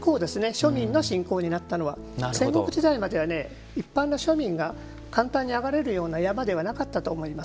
庶民の信仰になったのは戦国時代までは一般の庶民が簡単に上がれるような山ではなかったと思います。